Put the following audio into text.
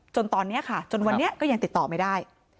จนตอนนี้ค่ะจนวันนี้ก็ยังติดต่อไม่ได้